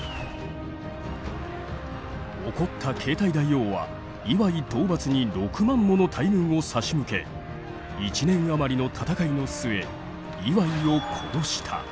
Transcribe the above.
怒った継体大王は磐井討伐に６万もの大軍を差し向け１年余りの戦いの末磐井を殺した。